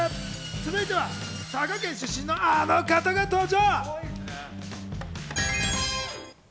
続いては佐賀県出身のあの方が登場。